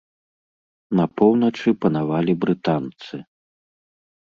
На поўначы панавалі брытанцы.